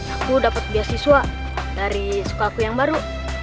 aku dapat beasiswa dari sukaku yang baru